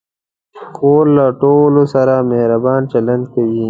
خور له ټولو سره مهربان چلند کوي.